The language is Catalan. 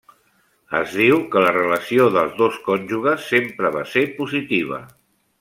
Es diu que la relació dels dos cònjuges sempre va ser positiva.